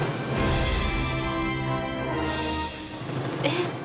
えっ。